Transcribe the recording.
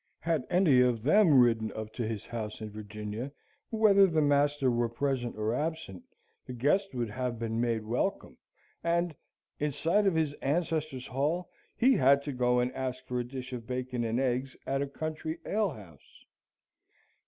Had any of them ridden up to his house in Virginia, whether the master were present or absent, the guests would have been made welcome, and, in sight of his ancestors' hall, he had to go and ask for a dish of bacon and eggs at a country alehouse!